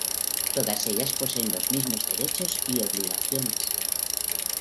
Todas ellas poseen los mismos derechos y obligaciones.